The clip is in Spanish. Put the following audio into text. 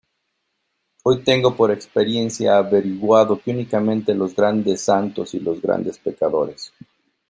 hoy tengo por experiencia averiguado que únicamente los grandes santos y los grandes pecadores